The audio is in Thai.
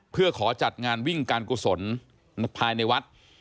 เพื่อขอจัดงานวิ่งการกุศลภายในวัด